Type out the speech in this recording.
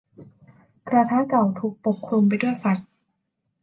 กระทะเก่าถูกปกคลุมไปด้วยฟัดจ์